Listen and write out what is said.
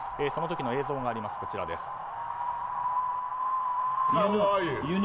その時の映像があります。